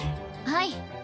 はい。